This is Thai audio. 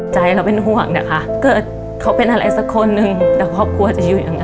ใจเราเป็นห่วงนะคะเกิดเขาเป็นอะไรสักคนหนึ่งเดี๋ยวครอบครัวจะอยู่อย่างนั้น